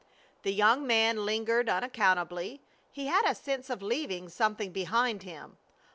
The young man lingered unaccountably. He had a sense of leaving something behind him.